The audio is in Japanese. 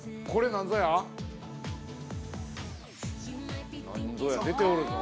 何ぞや、出ておるぞ。